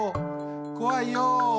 こわいよ！